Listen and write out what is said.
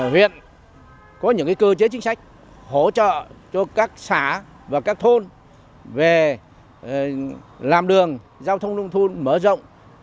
huyện có những cơ chế chính sách hỗ trợ cho các xã và các thôn về làm đường giao thông nông thôn mở rộng